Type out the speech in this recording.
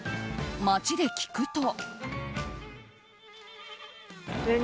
街で聞くと。